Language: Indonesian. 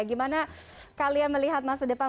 gimana kalian melihat masa depan